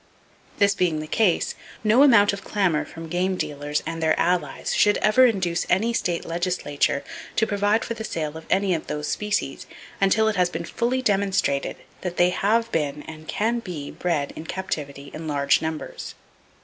This being the case, no amount of clamor from game dealers and their allies ever should induce any state legislature to provide for the sale of any of those species until it has been fully demonstrated that they have been and can be bred in captivity in large numbers.